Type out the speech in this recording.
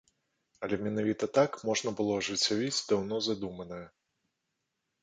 Але менавіта так можна было ажыццявіць даўно задуманае.